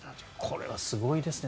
これはすごいですね